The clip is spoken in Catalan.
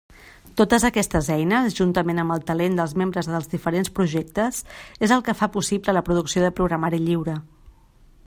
Totes aquestes eines, juntament amb el talent dels membres dels diferents projectes, és el que fa possible la producció de programari lliure.